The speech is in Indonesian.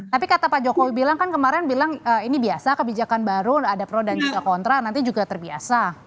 tapi kata pak jokowi bilang kan kemarin bilang ini biasa kebijakan baru ada pro dan juga kontra nanti juga terbiasa